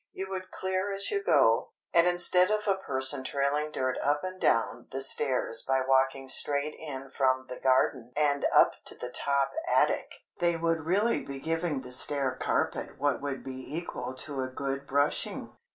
You would clear as you go, and instead of a person trailing dirt up and down the stairs by walking straight in from the garden and up to the top attic, they would really be giving the stair carpet what would be equal to a good brushing.